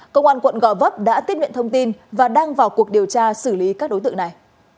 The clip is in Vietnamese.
công an quận gò vấp đã tiếp nhận thông tin và đang vào cuộc điều tra xử lý các đối tượng này